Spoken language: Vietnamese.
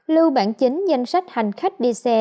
lưu bản chính danh sách hành khách đi xe